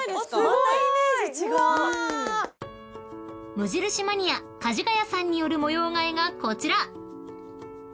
［無印マニア梶ヶ谷さんによる模様替えがこちら］